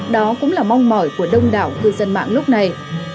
đó cũng là mong mỏi của đông đảo cư dân mạng lúc này